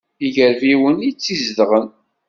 D igarfiwen i tt-izedɣen.